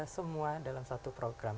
semua dalam satu program